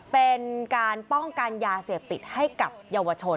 เป็นการป้องกันยาเสพติดให้กับเยาวชน